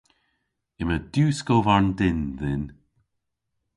Yma diwskovarn dynn dhyn.